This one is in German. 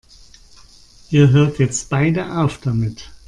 Ihr hört jetzt beide auf damit!